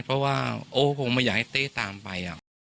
เพราะว่าโอ้คงไม่อยากให้เต้ตามไป